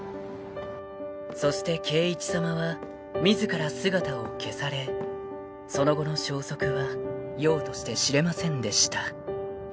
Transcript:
［そして圭一さまは自ら姿を消されその後の消息はようとして知れませんでした］